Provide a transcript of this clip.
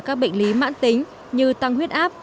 các bệnh lý mạng tính như tăng huyết áp